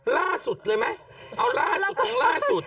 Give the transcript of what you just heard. ล่าสุดเลยไหมเอาล่าสุดของล่าสุด